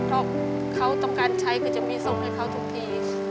เพราะเขาต้องการใช้คือจะมีส่งให้เขาทุกที